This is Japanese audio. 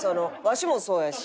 わしもそうやし。